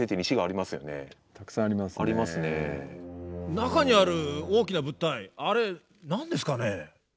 中にある大きな物体あれ何ですかね？